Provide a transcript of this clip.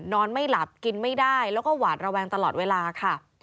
นอนไม่หลับกินไม่ได้แล้วก็หวาดระแวงตลอดเวลาค่ะ